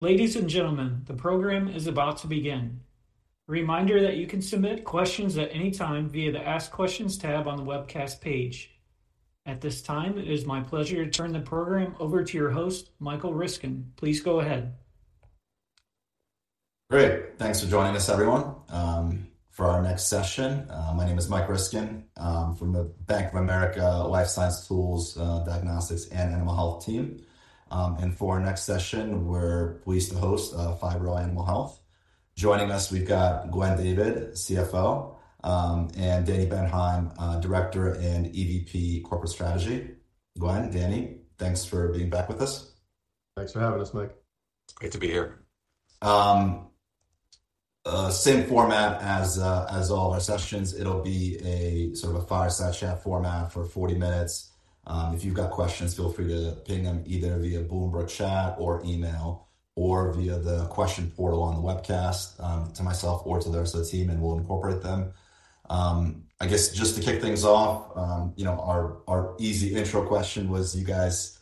Ladies and gentlemen, the program is about to begin. Reminder that you can submit questions at any time via the Ask Questions tab on the webcast page. At this time, it is my pleasure to turn the program over to your host, Michael Ryskin. Please go ahead. Great. Thanks for joining us, everyone, for our next session. My name is Mike Ryskin, from the Bank of America Life Science Tools, Diagnostics and Animal Health team. And for our next session, we're pleased to host Phibro Animal Health. Joining us, we've got Glenn David, CFO, and Daniel Bendheim, Director and EVP Corporate Strategy. Glenn, Danny, thanks for being back with us. Thanks for having us, Mike. Great to be here. Same format as all our sessions. It'll be a sort of a fireside chat format for 40 minutes. If you've got questions, feel free to ping them either via Bloomberg chat or email, or via the question portal on the webcast, to myself or to the rest of the team, and we'll incorporate them. I guess just to kick things off, you know, our easy intro question was you guys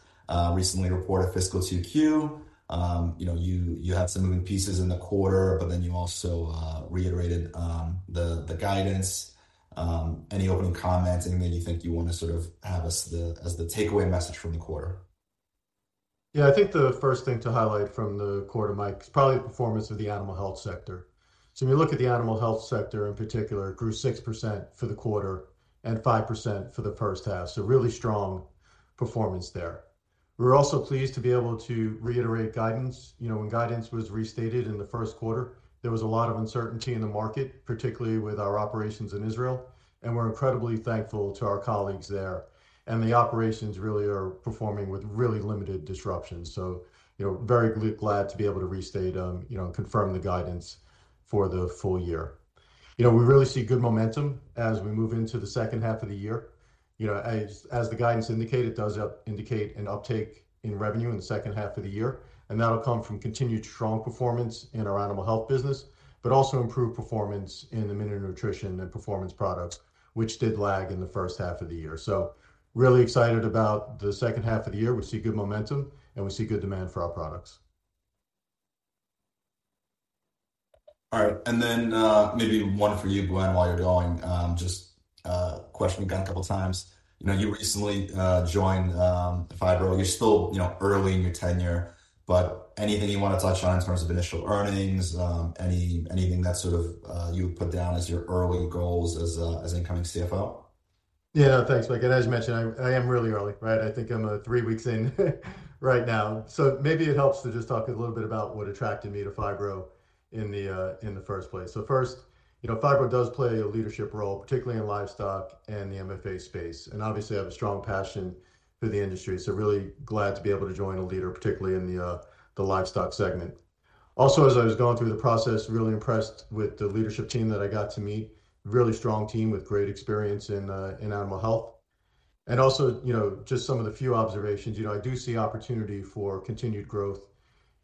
recently reported fiscal Q2. You know, you had some moving pieces in the quarter, but then you also reiterated the guidance. Any opening comments, anything that you think you wanna sort of have as the takeaway message from the quarter? I think the first thing to highlight from the quarter, Mike, is probably the performance of the animal health sector. So when you look at the animal health sector in particular, it grew 6% for the quarter and 5% for the first half. So really strong performance there. We're also pleased to be able to reiterate guidance. You know, when guidance was restated in the Q1, there was a lot of uncertainty in the market, particularly with our operations in Israel, and we're incredibly thankful to our colleagues there. The operations really are performing with really limited disruptions. So you know, very glad to be able to restate, you know, confirm the guidance for the full year. You know, we really see good momentum as we move into the second half of the year. You know, as the guidance indicate, it does indicate an uptake in revenue in the second half of the year, and that'll come from continued strong performance in our animal health business, but also improved performance in the mineral nutrition and performance products, which did lag in the H1 of the year. So really excited about the H2 of the year. We see good momentum, and we see good demand for our products. All right. And then, maybe one for you, Glenn, while you're going. Just, question we've got a couple times. You know, you recently joined Phibro. You're still, you know, early in your tenure, but anything you want to touch on in terms of initial earnings? Anything that sort of, you would put down as your early goals as, as incoming CFO? Thanks, Mike, and as you mentioned, I am really early, right? I think I'm three weeks in right now. So maybe it helps to just talk a little bit about what attracted me to Phibro in the first place. So first, you know, Phibro does play a leadership role, particularly in livestock and the MFA space, and obviously, I have a strong passion for the industry. So really glad to be able to join a leader, particularly in the livestock segment. Also, as I was going through the process, really impressed with the leadership team that I got to meet. Really strong team with great experience in animal health. And also, you know, just some of the few observations, you know, I do see opportunity for continued growth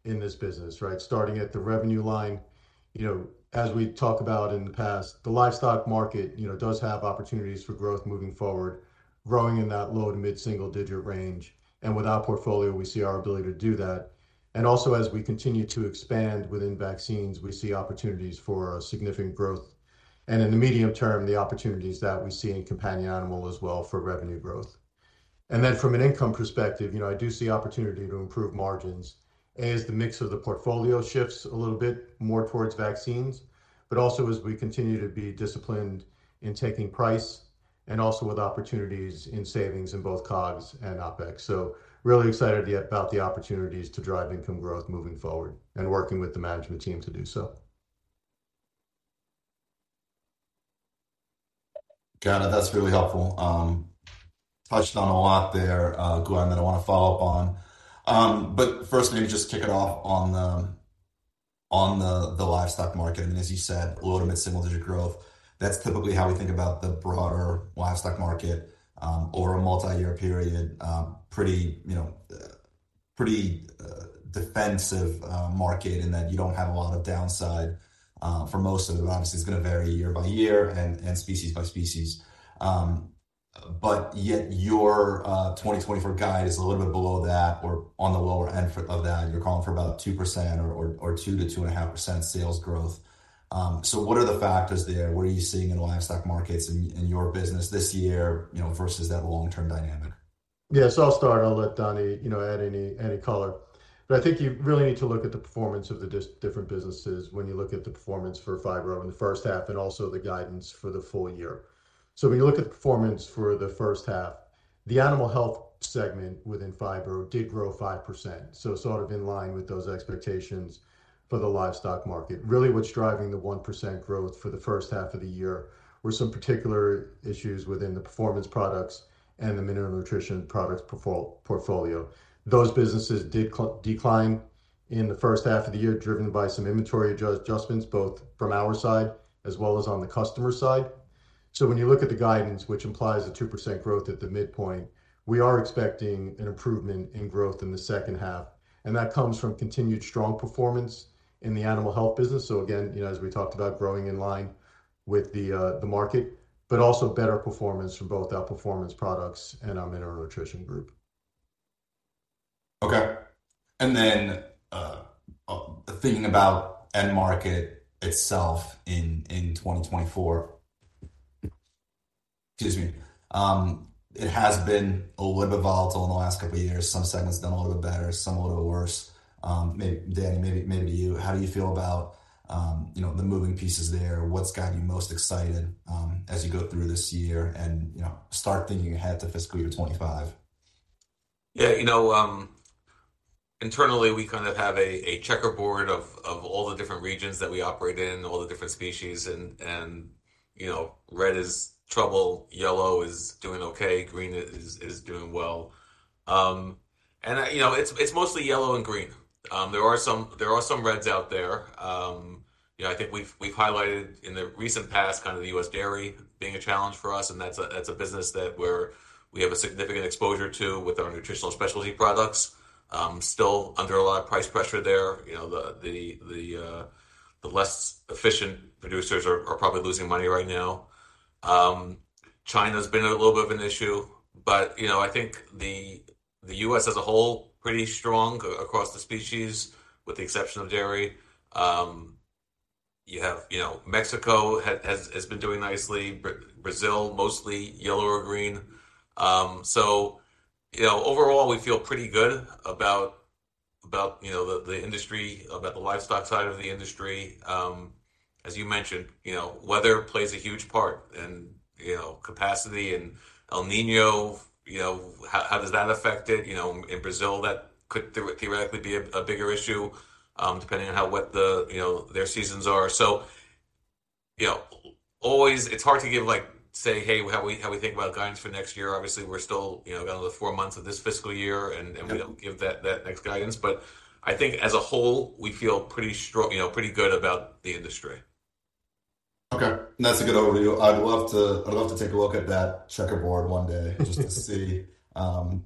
in this business, right? Starting at the revenue line, you know, as we talked about in the past, the livestock market, you know, does have opportunities for growth moving forward, growing in that low- to mid-single-digit range. With our portfolio, we see our ability to do that. Also, as we continue to expand within vaccines, we see opportunities for significant growth, and in the medium term, the opportunities that we see in companion animal as well for revenue growth. Then from an income perspective, you know, I do see opportunity to improve margins as the mix of the portfolio shifts a little bit more towards vaccines, but also as we continue to be disciplined in taking price and also with opportunities in savings in both COGS and OpEx. Really excited yet about the opportunities to drive income growth moving forward and working with the management team to do so. Got it. That's really helpful. Touched on a lot there, Glenn, that I wanna follow up on. But first, maybe just kick it off on the livestock market. I mean, as you said, low- to mid-single-digit growth, that's typically how we think about the broader livestock market, over a multi-year period. Pretty, you know, pretty, defensive, market, in that you don't have a lot of downside, for most of it. Obviously, it's gonna vary year by year and, and species by species. But yet your, 2024 guide is a little bit below that or on the lower end of that. You're calling for about 2% or, or, or 2% to 2.5% sales growth. So what are the factors there? What are you seeing in the livestock markets in your business this year, you know, versus that long-term dynamic? Yeah, so I'll start. I'll let Danny, you know, add any, any color. But I think you really need to look at the performance of the different businesses when you look at the performance for Phibro in the H1 and also the guidance for the full year. So when you look at the performance for the first half, the animal health segment within Phibro did grow 5%, so sort of in line with those expectations for the livestock market. Really what's driving the 1% growth for the first half of the year were some particular issues within the performance products and the mineral nutrition products portfolio. Those businesses did decline in the H1 of the year, driven by some inventory adjustments, both from our side as well as on the customer side. So when you look at the guidance, which implies a 2% growth at the midpoint, we are expecting an improvement in growth in the second half, and that comes from continued strong performance in the animal health business. So again, you know, as we talked about, growing in line with the market, but also better performance from both our performance products and our mineral nutrition group. Then thinking about end market itself in 2024. Excuse me. It has been a little bit volatile in the last couple of years. Some segments done a little bit better, some a little worse. Danny, maybe you. How do you feel about, you know, the moving pieces there? What's got you most excited, as you go through this year and, you know, start thinking ahead to fiscal year 2025? Yeah, you know, internally, we kind of have a checkerboard of all the different regions that we operate in, all the different species, and, you know, red is trouble, yellow is doing okay, green is doing well. And, you know, it's mostly yellow and green. There are some reds out there. You know, I think we've highlighted in the recent past, kind of the U.S. dairy being a challenge for us, and that's a business that we have a significant exposure to with our nutritional specialty products. Still under a lot of price pressure there. You know, the less efficient producers are probably losing money right now. China's been a little bit of an issue, but, you know, I think the, the U.S. as a whole, pretty strong across the species, with the exception of dairy. You have, you know, Mexico has, has been doing nicely, Brazil, mostly yellow or green. So, you know, overall, we feel pretty good about the industry, about the livestock side of the industry. As you mentioned, weather plays a huge part capacity and El Niño, how does that affect it? You know, in Brazil, that could theoretically be a, a bigger issue, depending on how wet the, you know, their seasons are. Always it's hard to give, like, say, "Hey, how we think about guidance for next year?" Obviously, we're still, got another four months of this fiscal year, and we don't give that next guidance, but I think as a whole, we feel pretty strong, pretty good about the industry. Okay, that's a good overview. I'd love to take a look at that checkerboard one day. Just to see,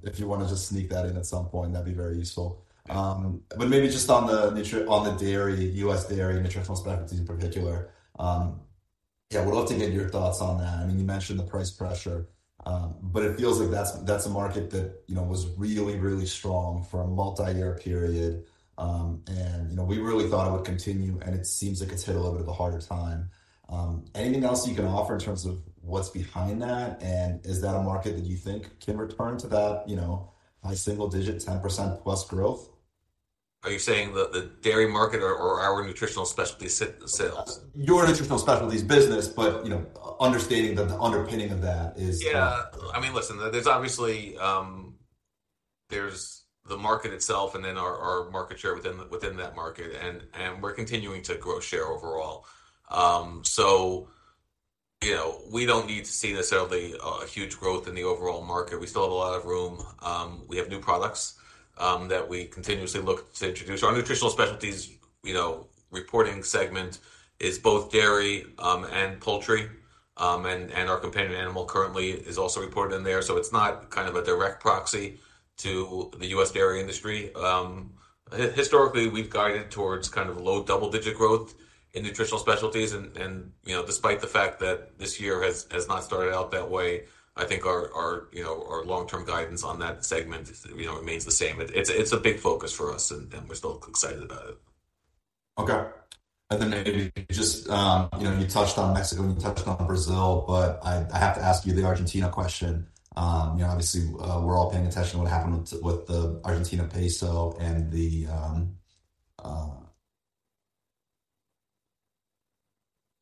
if you wanna just sneak that in at some point, that'd be very useful. But maybe just on the dairy, U.S. dairy, nutritional specialties in particular, yeah, we'd love to get your thoughts on that. I mean, you mentioned the price pressure, but it feels like that's, that's a market that, you know, was really, really strong for a multi-year period. And, you know, we really thought it would continue, and it seems like it's hit a little bit of a harder time. Anything else you can offer in terms of what's behind that, and is that a market that you think can return to that, you know, high single digit, 10% plus growth? Are you saying the dairy market or our nutritional specialty sales? Your nutritional specialties business, understating the underpinning of that is- Listen, there's obviously, there's the market itself and then our market share within that market, and we're continuing to grow share overall. We don't need to see necessarily a huge growth in the overall market. We still have a lot of room. We have new products that we continuously look to introduce. Our nutritional specialties reporting segment is both dairy and poultry, and our companion animal currently is also reported in there, so it's not kind of a direct proxy to the U.S. dairy industry. Historically, we've guided towards kind of low double-digit growth in nutritional specialties and, you know, despite the fact that this year has not started out that way, I think our long-term guidance on that segment remains the same. It's a big focus for us, and we're still excited about it. Okay. And then maybe you just touched on Mexico, and you touched on Brazil, but I have to ask you the Argentina question. Obviously, we're all paying attention to what happened with, with the Argentine peso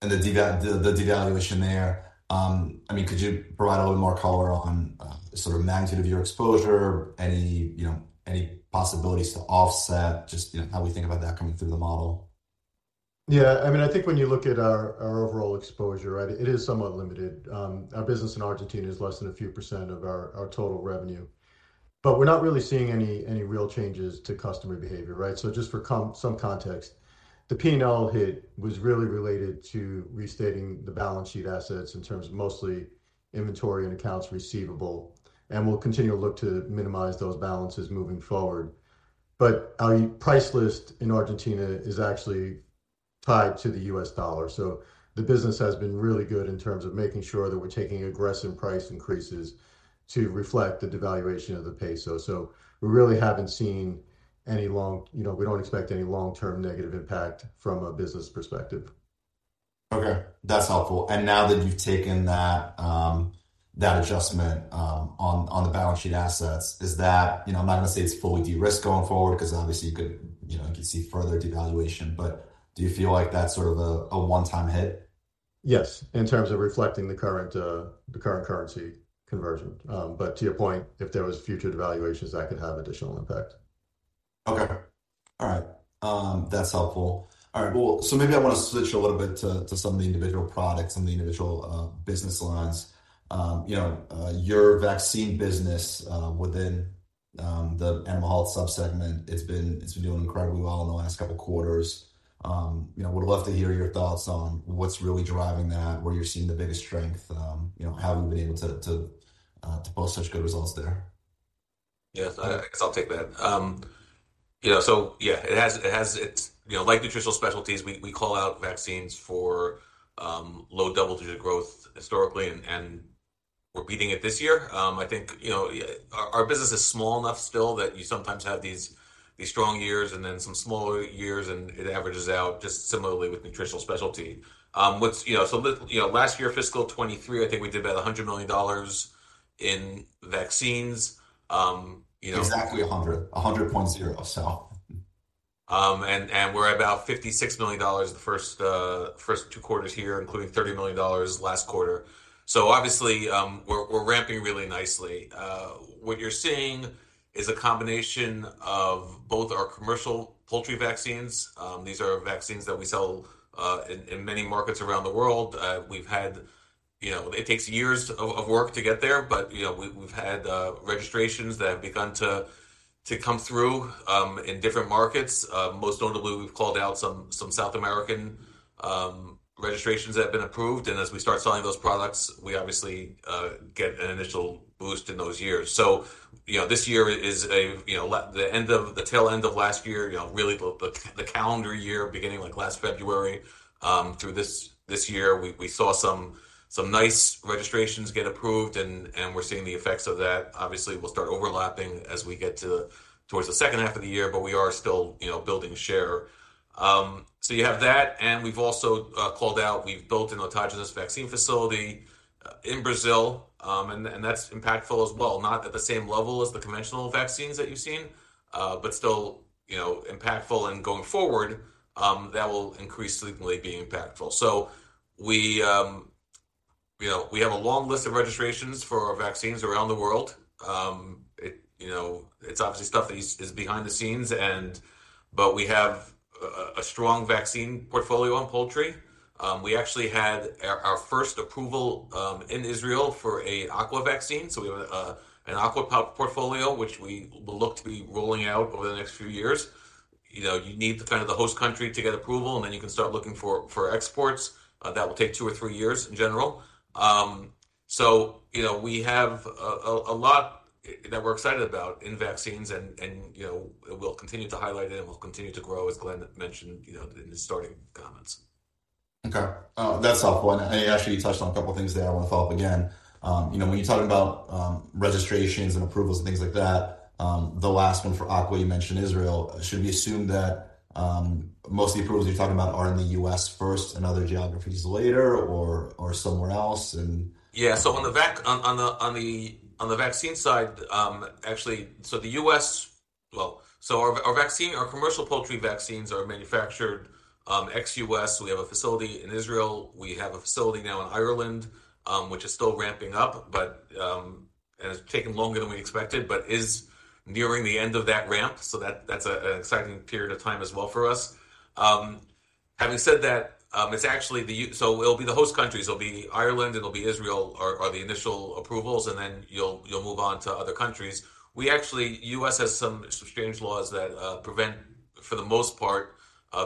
and the devaluation there. I mean, could you provide a little more color on, the sort of magnitude of your exposure, any possibilities to offset? How we think about that coming through the model. I think when you look at our, our overall exposure, right, it is somewhat limited. Our business in Argentina is less than a few percent of our total revenue, but we're not really seeing any real changes to customer behavior, right? So just for some context, the P&L hit was really related to restating the balance sheet assets in terms of mostly inventory and accounts receivable, and we'll continue to look to minimize those balances moving forward. But our price list in Argentina is actually tied to the U.S. dollar, so the business has been really good in terms of making sure that we're taking aggressive price increases to reflect the devaluation of the peso. So we really haven't seen any long-term negative impact from a business perspective. Okay, that's helpful. And now that you've taken that adjustment on the balance sheet assets, is that, I'm not gonna say it's fully de-risked going forward because obviously, you could see further devaluation. But do you feel like that's sort of a one-time hit? Yes, in terms of reflecting the current currency conversion. But to your point, if there was future devaluations, that could have additional impact. Okay. All right, that's helpful. All right, well, so maybe I want to switch a little bit to, to some of the individual products and the individual, business lines. You know, your vaccine business, within, the animal health subsegment, it's been doing incredibly well in the last couple of quarters. You know, would love to hear your thoughts on what's really driving that, where you're seeing the biggest strength, you know, how have you been able to to post such good results there? Yes, I guess I'll take that. You know, like nutritional specialties, we call out vaccines for low double-digit growth historically and we're beating it this year. I think, you know, our business is small enough still that you sometimes have these strong years and then some smaller years, and it averages out just similarly with nutritional specialty. Last year, fiscal 2023, I think we did about $100 million in vaccines. Exactly 100, 100.0, so. We're about $56 million the first two quarters here, including $30 million last quarter. So obviously, we're ramping really nicely. What you're seeing is a combination of both our commercial poultry vaccines. These are vaccines that we sell in many markets around the world. We've had, you know, it takes years of work to get there, but we've had registrations that have begun to come through in different markets. Most notably, we've called out some South American registrations that have been approved, and as we start selling those products, we obviously get an initial boost in those years. This year is like the end of the tail end of last year, really the calendar year beginning like last February through this year, we saw some nice registrations get approved, and we're seeing the effects of that. Obviously, we'll start overlapping as we get to towards the H2 of the year, but we are still building share. So you have that, and we've also called out, we've built an autogenous vaccine facility in Brazil, and that's impactful as well. Not at the same level as the conventional vaccines that you've seen but still impactful and going forward, that will increasingly be impactful. So we have a long list of registrations for our vaccines around the world. It's obviously stuff that is behind the scenes, but we have a strong vaccine portfolio on poultry. We actually had our first approval in Israel for an aqua vaccine, so we have an aqua portfolio, which we look to be rolling out over the next few years. You need the host country to get approval, and then you can start looking for exports. That will take two or three years in general. We have a lot that we're excited about in vaccines, and we'll continue to highlight it, and we'll continue to grow, as Glenn mentioned in his starting comments. Okay, that's helpful, and I actually touched on a couple of things there I want to follow up again. You know, when you're talking about, registrations and approvals and things like that, the last one for aqua, you mentioned Israel. Should we assume that, most of the approvals you're talking about are in the U.S. first and other geographies later or, or somewhere else, and? Yeah. So our vaccine, our commercial poultry vaccines are manufactured ex-U.S. We have a facility in Israel. We have a facility now in Ireland, which is still ramping up, but and it's taking longer than we expected, but is nearing the end of that ramp. So that's an exciting period of time as well for us. Having said that, it's actually the U.S. so it'll be the host countries. It'll be Ireland, and it'll be Israel are the initial approvals, and then you'll move on to other countries. We actually, the U.S. has some strange laws that prevent, for the most part,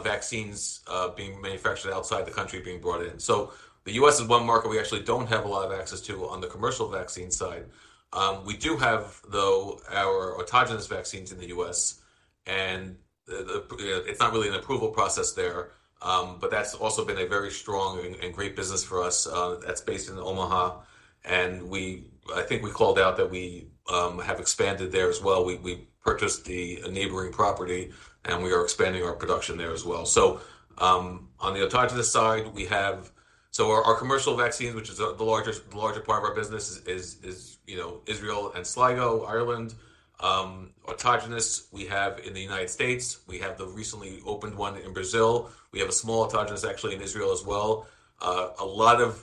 vaccines being manufactured outside the country being brought in. So the U.S. is one market we actually don't have a lot of access to on the commercial vaccine side. We do have, though, our autogenous vaccines in the U.S., and it's not really an approval process there, but that's also been a very strong and great business for us. That's based in Omaha, and we, I think we called out that we have expanded there as well. We purchased the neighboring property, and we are expanding our production there as well. So, on the autogenous side, we have. So our commercial vaccines, which is the largest part of our business is, you know, Israel and Sligo, Ireland. Autogenous, we have in the United States. We have the recently opened one in Brazil. We have a small autogenous, actually, in Israel as well. There are a lot of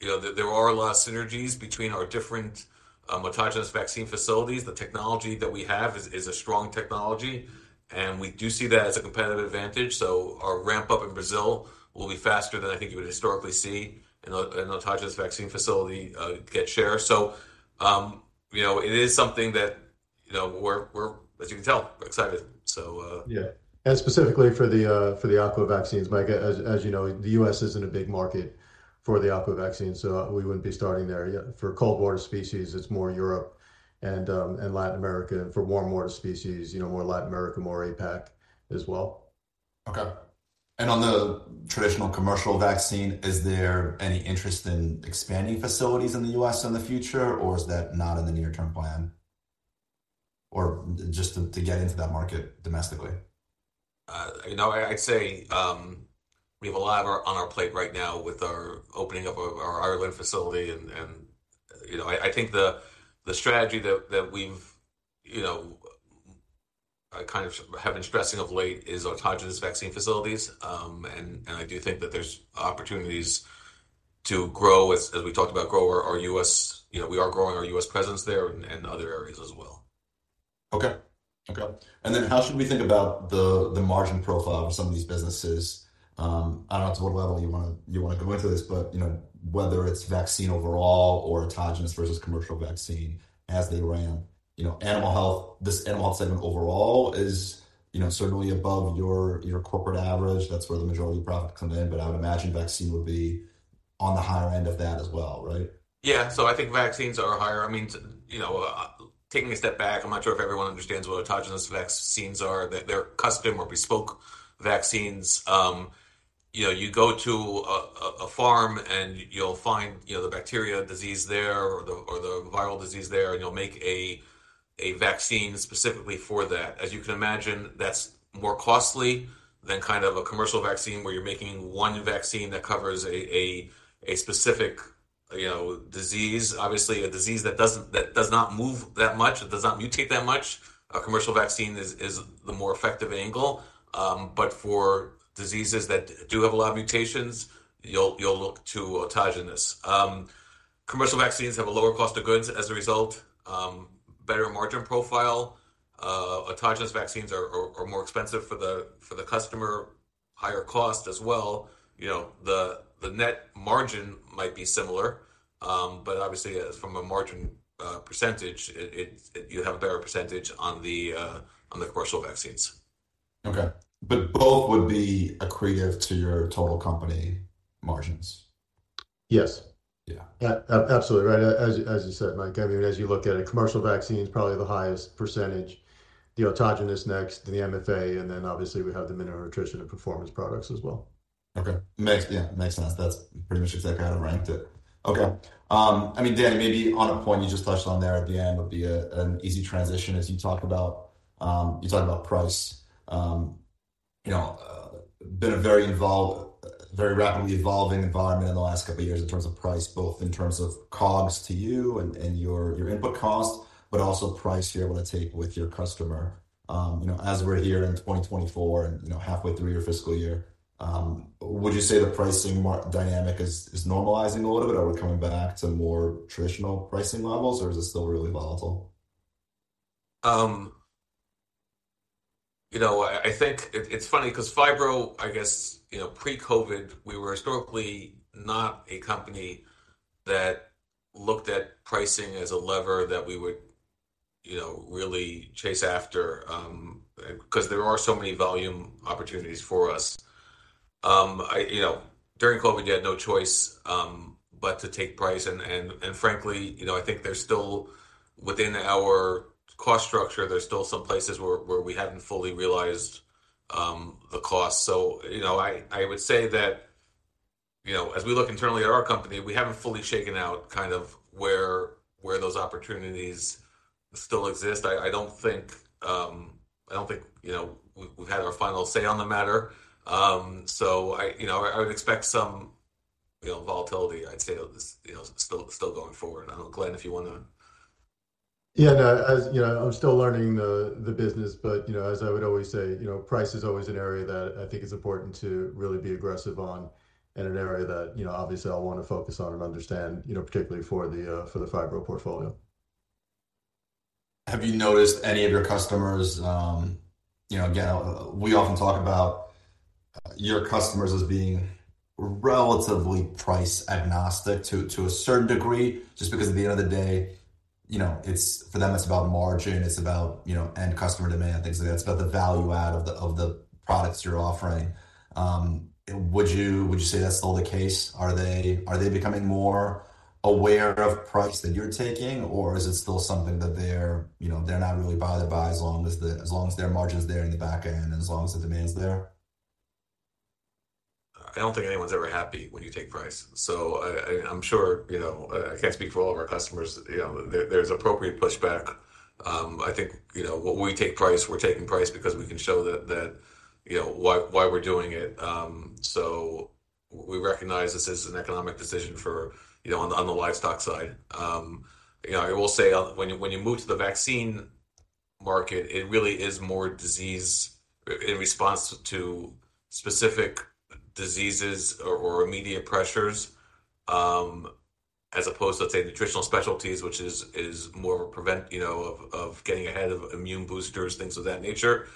synergies between our different autogenous vaccine facilities. The technology that we have is a strong technology, and we do see that as a competitive advantage. So our ramp-up in Brazil will be faster than I think you would historically see in a autogenous vaccine facility get share. So it is something that we're excited. Yeah, and specifically for the aqua vaccines, Mike, as you know, the U.S. isn't a big market for the aqua vaccines, so we wouldn't be starting there. Yeah, for cold-water species, it's more Europe and Latin America. For warm-water species, you know, more Latin America, more APAC as well. Okay. On the traditional commercial vaccine, is there any interest in expanding facilities in the U.S. in the future, or is that not in the near-term plan? Or just to get into that market domestically. I'd say we have a lot on our plate right now with our opening up of our Ireland facility and I think the strategy have been stressing of late is autogenous vaccine facilities. And I do think that there's opportunities to grow as we talked about, grow our U.S. presence there and in other areas as well. Okay. Then how should we think about the margin profile of some of these businesses? I don't know to what level you wanna go into this, but you know, whether it's vaccine overall or autogenous versus commercial vaccine as they ramp. You know, animal health, this animal health segment overall is certainly above your corporate average. That's where the majority of the profits come in, but I would imagine vaccine would be on the higher end of that as well, right? Yeah. So I think vaccines are higher. I mean taking a step back, I'm not sure if everyone understands what autogenous vaccines are. They're custom or bespoke vaccines you go to a farm and you'll find the bacteria disease there or the viral disease there, and you'll make a vaccine specifically for that. As you can imagine, that's more costly than kind of a commercial vaccine, where you're making one vaccine that covers a specific disease. Obviously, a disease that does not move that much, it does not mutate that much, a commercial vaccine is the more effective angle. But for diseases that do have a lot of mutations, you'll look to autogenous. Commercial vaccines have a lower cost of goods as a result, better margin profile. Autogenous vaccines are more expensive for the customer, higher cost as well. The net margin might be similar, but obviously, from a margin percentage, it you have a better percentage on the commercial vaccines. Okay, but both would be accretive to your total company margins? Yes. Yeah. Yeah, absolutely right. As you said, Mike, I mean, as you look at it, commercial vaccine is probably the highest percentage, the autogenous next, then the MFA, and then obviously, we have the mineral nutrition and performance products as well. Okay. Makes sense. That's pretty much exactly how I ranked it. Okay. I mean, Dan, maybe on a point you just touched on there at the end would be an easy transition as you talk about, you talked about price. It's been a very rapidly evolving environment in the last couple of years in terms of price, both in terms of COGS to you and your input costs, but also price you're able to take with your customer. As we're here in 2024 and halfway through your fiscal year, would you say the pricing dynamic is normalizing a little bit? Are we coming back to more traditional pricing levels, or is it still really volatile? I think it's funny 'cause Phibro during pre-COVID, we were historically not a company that looked at pricing as a lever that we would really chase after, 'cause there are so many volume opportunities for us. During COVID, you had no choice but to take price, and frankly, I think there's still within our cost structure, there's still some places where we haven't fully realized the cost. So I would say that as we look internally at our company, we haven't fully shaken out kind of where those opportunities still exist. I don't think we've had our final say on the matter. So I would expect some volatility, I'd say still going forward. I don't know, Glenn, if you wanna. Yeah, I'm still learning the business, but as I would always say the price is always an area that I think is important to really be aggressive on and an area that obviously I'll want to focus on and understand, particularly for the Phibro portfolio. Have you noticed any of your customers? Again, we often talk about your customers as being relatively price-agnostic to, to a certain degree, just because at the end of the day it's for them, it's about margin, it's about, end customer demand, things like that. It's about the value add of the, of the products you're offering. Would you, would you say that's still the case? Are they, are they becoming more aware of price that you're taking, or is it still something that they're not really bothered by as long as the, as long as their margin is there in the back end and as long as the demand is there? I don't think anyone's ever happy when you take price. So I'm sure I can't speak for all of our customers there's appropriate pushback. I think when we take price, we're taking price because we can show that's why we're doing it. So we recognize this is an economic decision for on the livestock side. I will say when you move to the vaccine market, it really is more disease in response to specific diseases or immediate pressures, as opposed to, say, nutritional specialties, which is more prevent of getting ahead of immune boosters, things of that nature.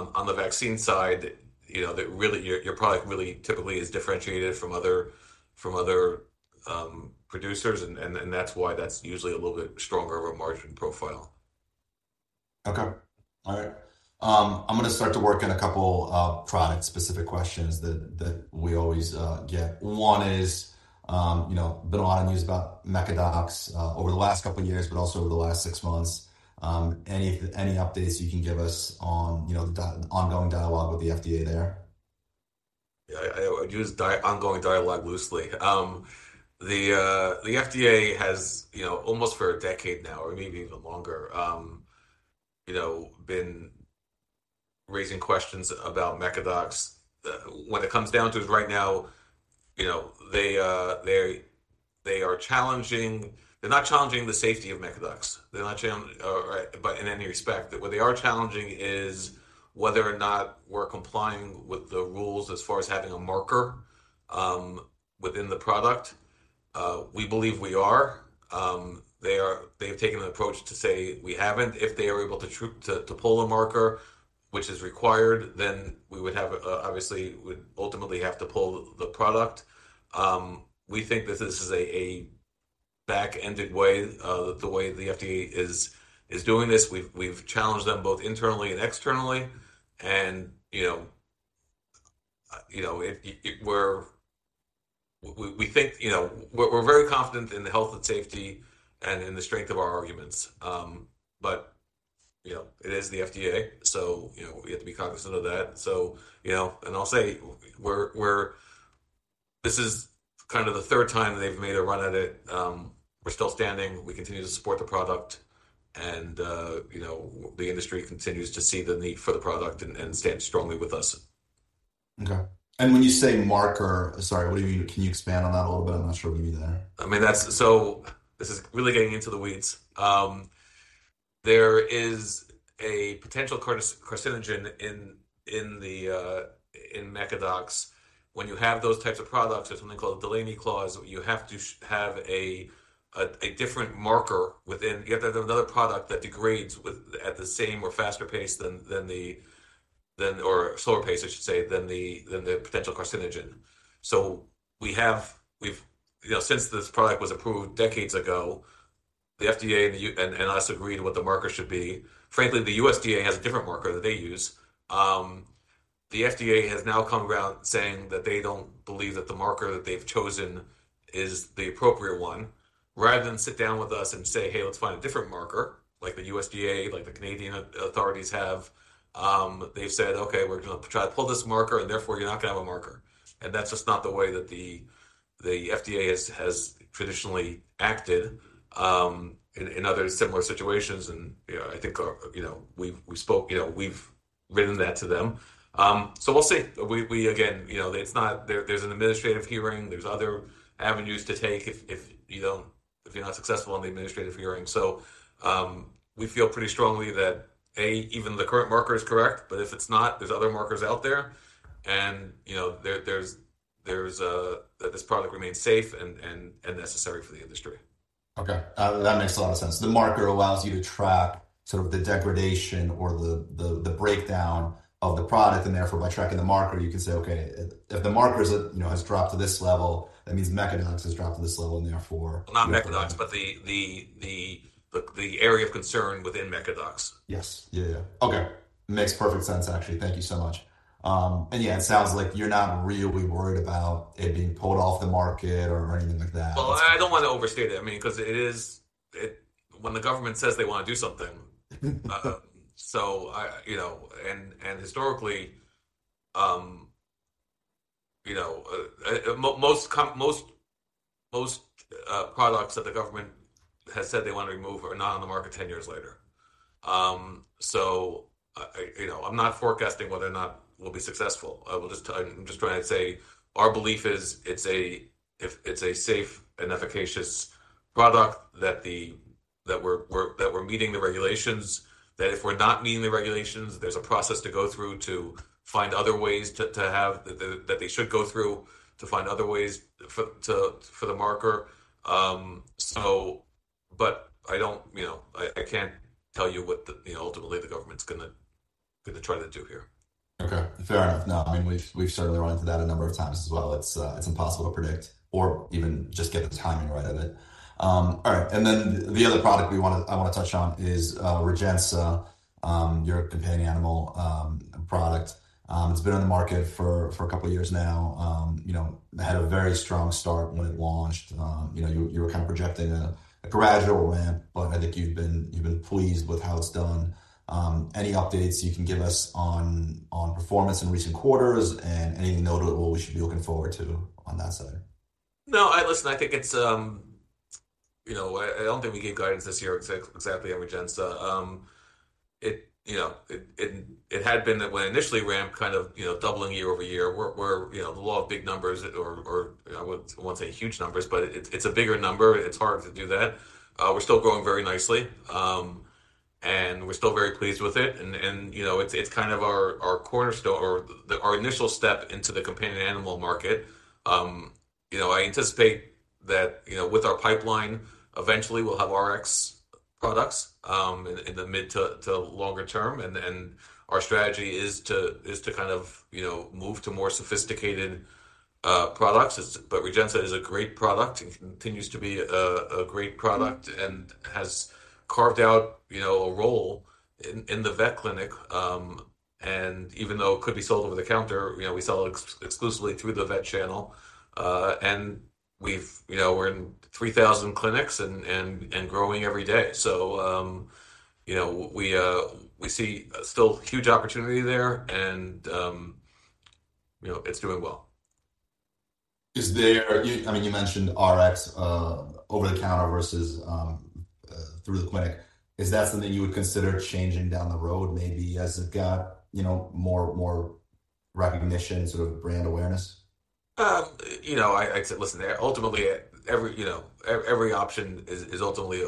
On the vaccine side that really, your product really typically is differentiated from other producers, and that's why that's usually a little bit stronger of a margin profile. Okay. All right. I'm gonna start to work in a couple product-specific questions that we always get. One is been a lot of news about Mecadox over the last couple of years, but also over the last six months. Any updates you can give us on the ongoing dialogue with the FDA there? Yeah, I use ongoing dialogue loosely. The FDA has, almost for a decade now, or maybe even longer been raising questions about Mecadox. When it comes down to it, right now they are challenging. They're not challenging the safety of Mecadox, but in any respect. What they are challenging is whether or not we're complying with the rules as far as having a marker within the product. We believe we are. They have taken an approach to say we haven't. If they are able to prove to pull a marker, which is required, then we would have, obviously, would ultimately have to pull the product. We think this is a back-ended way the way the FDA is doing this. We've challenged them both internally and externally we think we're very confident in the health and safety and in the strength of our arguments. But it is the FDA, so we have to be cognizant of that. I'll say this is kind of the third time they've made a run at it. We're still standing, we continue to support the product and the industry continues to see the need for the product and stand strongly with us. Okay. And when you say marker, sorry, what do you mean? Can you expand on that a little bit? I'm not sure what you mean there. I mean, that's so this is really getting into the weeds. There is a potential carcinogen in Mecadox. When you have those types of products, there's something called Delaney Clause. You have to have a different marker within. You have to have another product that degrades at the same or faster pace than or slower pace, I should say, than the potential carcinogen. Since this product was approved decades ago, the FDA and the U.S. and us agreed what the marker should be. Frankly, the USDA has a different marker that they use. The FDA has now come around saying that they don't believe that the marker that they've chosen is the appropriate one. Rather than sit down with us and say, "Hey, let's find a different marker," like the USDA, like the Canadian authorities have, they've said, "Okay, we're gonna try to pull this marker, and therefore, you're not gonna have a marker." And that's just not the way that the FDA has traditionally acted in other similar situations. I think we've written that to them. So we'll see. There's an administrative hearing, there's other avenues to take if you don't, if you're not successful in the administrative hearing. We feel pretty strongly that even the current marker is correct, but if it's not, there's other markers out there and that this product remains safe and necessary for the industry. Okay. That makes a lot of sense. The marker allows you to track sort of the degradation or the breakdown of the product, and therefore, by tracking the marker, you can say, "Okay, if the marker has dropped to this level, that means Mecadox has dropped to this level, and therefore- Not Mecadox, but the area of concern within Mecadox. Yes. Makes perfect sense, actually. Thank you so much. And yeah, it sounds like you're not really worried about it being pulled off the market or anything like that. Well, I don't want to overstate it 'cause it is. When the government says they wanna do something, and historically most products that the government has said they want to remove are not on the market ten years later. I'm not forecasting whether or not we'll be successful. I will just tell you, I'm just trying to say our belief is, it's a safe and efficacious product that we're meeting the regulations. That if we're not meeting the regulations, there's a process to go through to find other ways to have the, that they should go through, to find other ways for the marker. But I can't tell you what the ultimately the government's gonna try to do here. Okay, fair enough. No, I mean, we've certainly run into that a number of times as well. It's impossible to predict or even just get the timing right of it. All right. And then the other product I wanna touch on is Rejensa, your companion animal product. It's been on the market for a couple of years now. You know, had a very strong start when it launched. You know, you were kind of projecting a gradual ramp, but I think you've been pleased with how it's done. Any updates you can give us on performance in recent quarters and anything notable we should be looking forward to on that side? No, listen, I don't think we gave guidance this year exactly on Rejensa. It had been that when it initially ramped kind of doubling year-over-year we're the law of big numbers or I wouldn't want to say huge numbers, but it's a bigger number. It's hard to do that. We're still growing very nicely, and we're still very pleased with it. And it's kind of our cornerstone or our initial step into the companion animal market. I anticipate that with our pipeline, eventually we'll have RX products in the mid to longer term, and then our strategy is to kind of move to more sophisticated products. But Rejensa is a great product. It continues to be a great product and has carved out a role in the vet clinic. And even though it could be sold over the counter we sell it exclusively through the vet channel. And we're in 3,000 clinics and growing every day. So we see still huge opportunity there and it's doing well. Is there? I mean, you mentioned Rx, over-the-counter versus through the clinic. Is that something you would consider changing down the road, maybe as you've got more recognition and sort of brand awareness? I'd say, listen, ultimately, every option is ultimately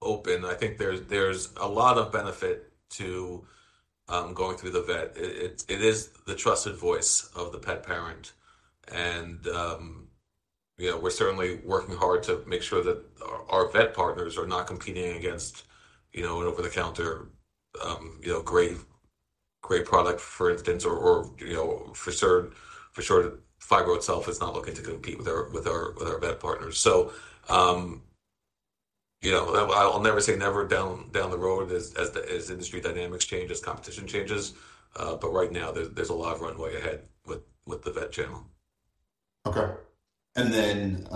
open. I think there's a lot of benefit to going through the vet. It is the trusted voice of the pet parent and we're certainly working hard to make sure that our vet partners are not competing against an over-the-counter great product, for instance or for sure, Phibro itself is not looking to compete with our vet partners. I'll never say never down the road as industry dynamics change, as competition changes. But right now, there's a lot of runway ahead with the vet channel. Okay. And then,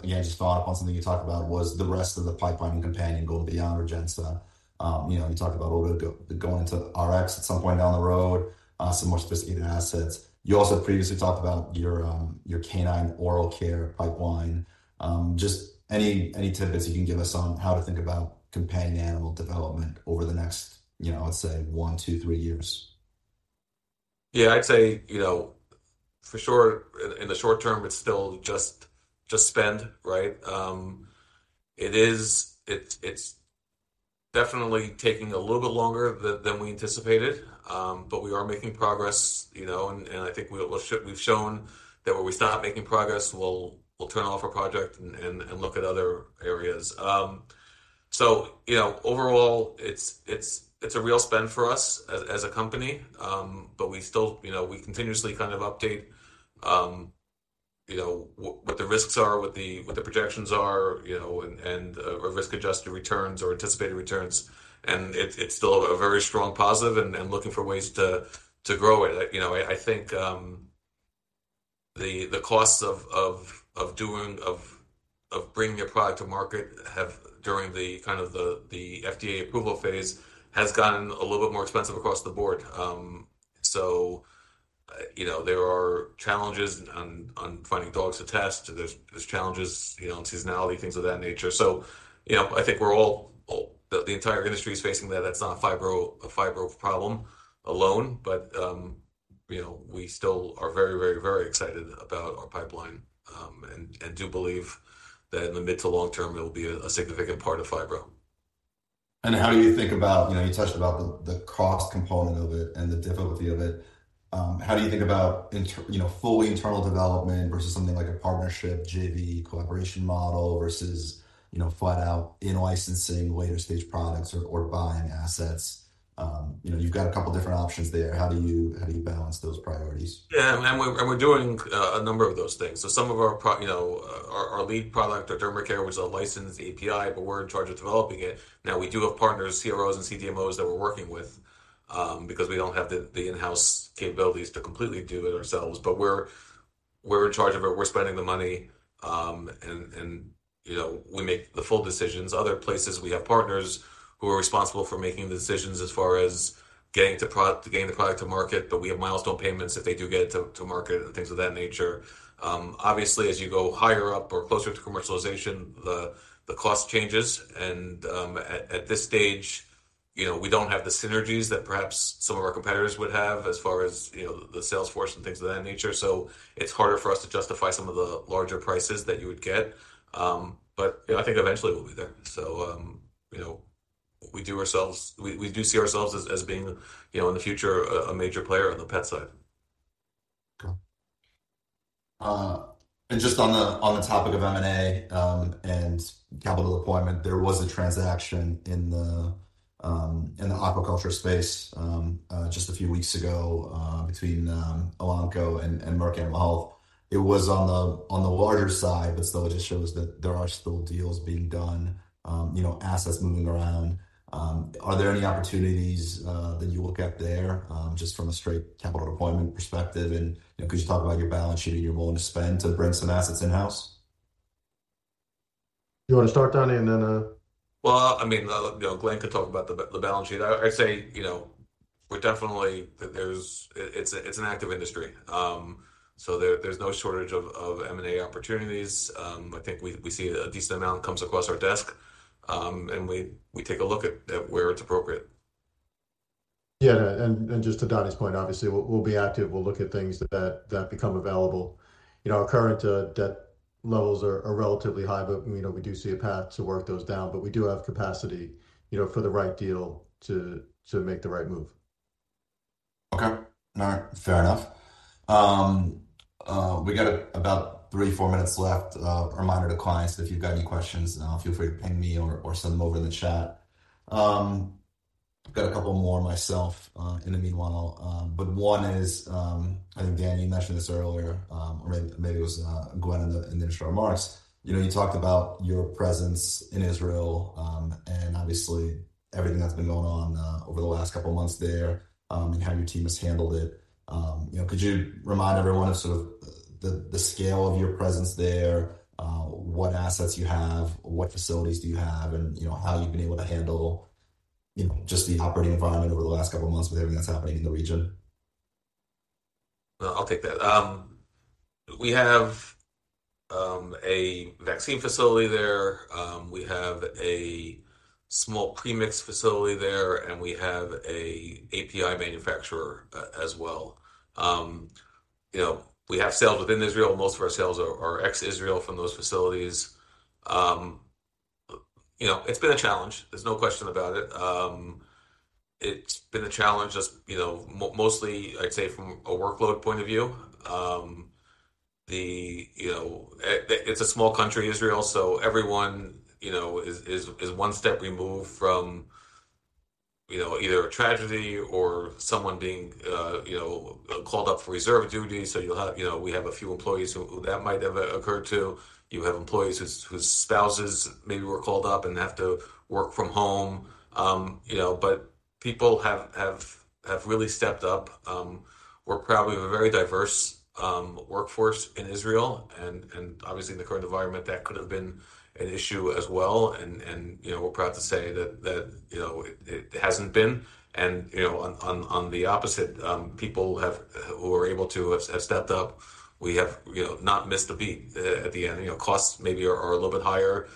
again, just thought upon something you talked about was the rest of the pipeline and companion going beyond Rejensa. You talked about a little go, going into Rx at some point down the road, some more sophisticated assets. You also previously talked about your canine oral care pipeline. Just any tidbits you can give us on how to think about companion animal development over the next let's say one, two, three years? Yeah, I'd say for sure, in the short term, it's still just spend, right? It's definitely taking a little bit longer than we anticipated, but we are making progress and I think we've shown that when we stop making progress, we'll turn off a project and look at other areas. So, overall, it's a real spend for us as a company. But we still continuously kind of updatewhat the risks are, what the projections are, and risk-adjusted returns or anticipated returns, and it's still a very strong positive and looking for ways to grow it. I think the costs of bringing a product to market have during the FDA approval phase gotten a little bit more expensive across the board. So, there are challenges on finding dogs to test. There's challenges, on seasonality, things of that nature. I think we're all the entire industry is facing that. That's not a Phibro problem alone, but we still are very, very, very excited about our pipeline and do believe that in the mid to long term, it'll be a significant part of Phibro. How do you think about you know, you touched about the cost component of it and the difficulty of it. How do you think about fully internal development versus something like a partnership, JV, collaboration model, versus you know, flat out in-licensing later-stage products or buying assets? You know, you've got a couple different options there. How do you, how do you balance those priorities? Yeah, and we're doing a number of those things. So some of our lead product, our DermaCare, which is a licensed API, but we're in charge of developing it. Now, we do have partners, CROs and CDMOs, that we're working with, because we don't have the in-house capabilities to completely do it ourselves, but we're in charge of it. We're spending the money and we make the full decisions. Other places, we have partners who are responsible for making the decisions as far as getting to product, getting the product to market, but we have milestone payments if they do get it to market and things of that nature. Obviously, as you go higher up or closer to commercialization, the cost changes, and at this stage we don't have the synergies that perhaps some of our competitors would have as far as the sales force and things of that nature. So it's harder for us to justify some of the larger prices that you would get. But I think eventually we'll be there. So, we see ourselves as being, you know, in the future, a major player on the pet side. Okay. And just on the, on the topic of M&A, and capital deployment, there was a transaction in the, in the aquaculture space, just a few weeks ago, between, Elanco and, and Merck Animal Health. It was on the, on the larger side, but still, it just shows that there are still deals being done assets moving around. Are there any opportunities, that you look at there, just from a straight capital deployment perspective? And could you talk about your balance sheet and your willing to spend to bring some assets in-house? You want to start, Danny, and then- Well, I mean Glenn could talk about the balance sheet. I'd say, we're definitely - it's an active industry. So there's no shortage of M&A opportunities. I think we see a decent amount comes across our desk, and we take a look at where it's appropriate. Yeah, and just to Danny's point, obviously, we'll be active. We'll look at things that become available. Our current debt levels are relatively high, but we do see a path to work those down. But we do have capacity for the right deal to make the right move. Okay. All right. Fair enough. We got about three, four minutes left. A reminder to clients, if you've got any questions, feel free to ping me or send them over in the chat. I've got a couple more myself, in the meanwhile, but one is, I think, Dan, you mentioned this earlier, or maybe it was Glenn in the initial remarks. You talked about your presence in Israel, and obviously, everything that's been going on over the last couple of months there, and how your team has handled it. You know, could you remind everyone of sort of the, the scale of your presence there, what assets you have, what facilities do you have and how you've been able to handle just the operating environment over the last couple of months with everything that's happening in the region? I'll take that. We have a vaccine facility there. We have a small premix facility there, and we have an API manufacturer as well. We have sales within Israel. Most of our sales are ex-Israel from those facilities. It's been a challenge, there's no question about it. It's been a challenge. I'd say from a workload point of view. It's a small country, Israel, so everyone is one step removed from either a tragedy or someone being called up for reserve duty. So we have a few employees who that might have occurred to. You have employees whose spouses maybe were called up and have to work from home. Bbut people have really stepped up. We're probably a very diverse workforce in Israel, and obviously, in the current environment, that could have been an issue as well. We're proud to say that it hasn't been on the opposite, people who are able to have stepped up. We have not missed a beat. At the end, costs maybe are a little bit higher.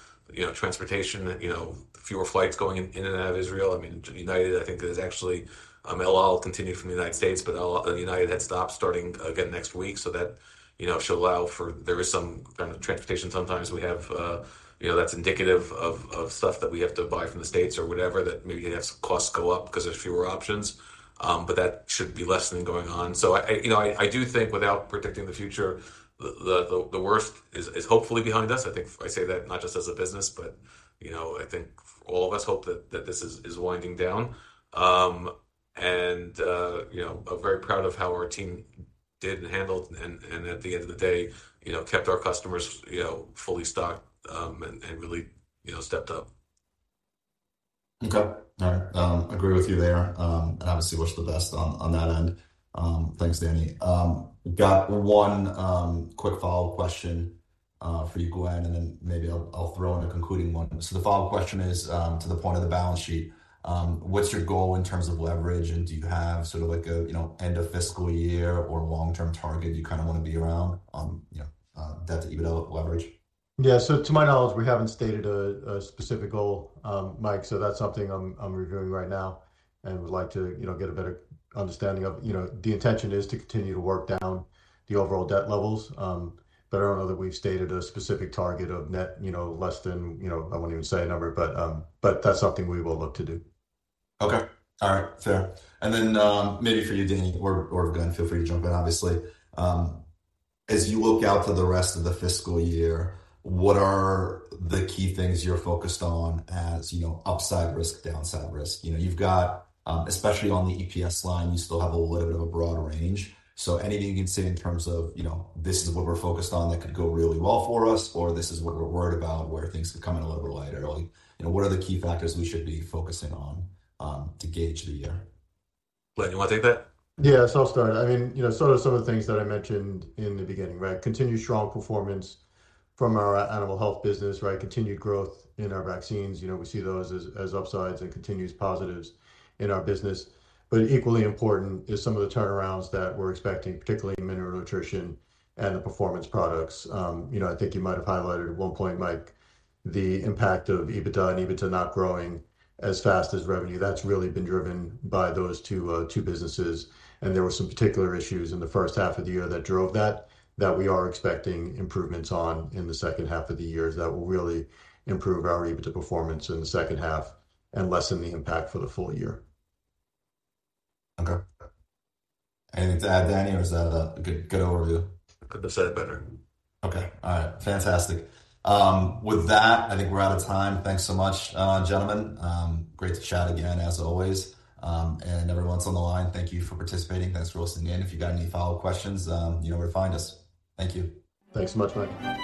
Transportation has fewer flights going in and out of Israel. I mean, United, I think, is actually, El Al continued from the United States, but El Al, United had stopped starting again next week, so that you should allow for. There is some kind of transportation sometimes we have that's indicative of, of stuff that we have to buy from the States or whatever, that maybe has costs go up because there's fewer options. But that should be less than going on. So I do think without predicting the future, the worst is hopefully behind us. I think I say that not just as a business but I think all of us hope that this is winding down. I'm very proud of how our team did and handled, and at the end of the day we kept our customers fully stocked, and really stepped up. Okay. All right. Agree with you there. And obviously, wish the best on, on that end. Thanks, Danny. Got one, quick follow-up question, for you, Glenn, and then maybe I'll, I'll throw in a concluding one. So the follow-up question is, to the point of the balance sheet, what's your goal in terms of leverage, and do you have sort of like an end of fiscal year or long-term target you kind of wanna be around on debt to EBITDA leverage? Yeah. So to my knowledge, we haven't stated a specific goal, Mike, so that's something I'm reviewing right now and would like to get a better understanding of. The intention is to continue to work down the overall debt levels, but I don't know that we've stated a specific target of net less than something we will look to do. Okay. All right. Fair. And then, maybe for you, Danny, or, or Glenn, feel free to jump in, obviously. As you look out to the rest of the fiscal year, what are the key things you're focused on as upside risk, downside risk? You've got, especially on the EPS line, you still have a little bit of a broad range. So anything you can say in terms of, you know, this is what we're focused on that could go really well for us, or this is what we're worried about, where things could come in a little bit lighter? Like, you know, what are the key factors we should be focusing on, to gauge the year? Gwen, you wanna take that? Yeah, so I'll start. I mean some of the, some of the things that I mentioned in the beginning, right? Continued strong performance from our animal health business, right? Continued growth in our vaccines. We see those as, as upsides and continues positives in our business. But equally important is some of the turnarounds that we're expecting, particularly in mineral nutrition and the performance products. I think you might have highlighted at one point, Mike, the impact of EBITDA and EBITDA not growing as fast as revenue. That's really been driven by those two, two businesses, and there were some particular issues in the first half of the year that drove that, that we are expecting improvements on in the second half of the year that will really improve our EBITDA performance in the second half and lessen the impact for the full year. Okay. Anything to add, Danny, or is that a good, good overview? I couldn't have said it better. Okay. All right. Fantastic. With that, I think we're out of time. Thanks so much, gentlemen. Great to chat again, as always. And everyone's on the line, thank you for participating. Thanks for listening in. If you got any follow-up questions, you know where to find us. Thank you. Thanks so much, Mike.